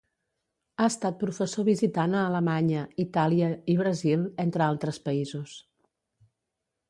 Ha estat professor visitant a Alemanya, Itàlia i Brasil, entre altres països.